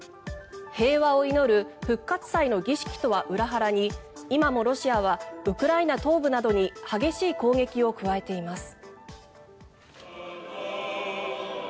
平和を祈る復活祭の儀式とは裏腹に今もロシアはウクライナ東部などに激しい攻撃を加えています。